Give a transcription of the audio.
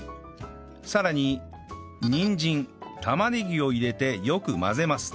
さらににんじん玉ねぎを入れてよく混ぜます